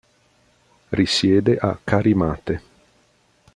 Risiede a Carimate.